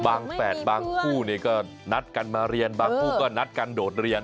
แฝดบางคู่ก็นัดกันมาเรียนบางคู่ก็นัดกันโดดเรียน